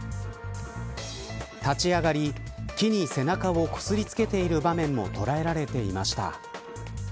立ち上がり、木に背中をこすりつけている場面も捉えられていました。